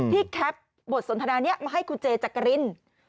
แคปบทสนทนานี้มาให้คุณเจจักริน